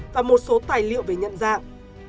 và một số tài liệu về nhận dạng